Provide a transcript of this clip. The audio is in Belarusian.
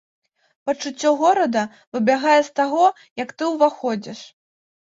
Пачуццё горада выбягае з таго, як ты ўваходзіш.